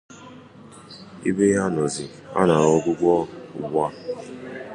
ebe ha nọzị anara ọgwụgwọ ugbua.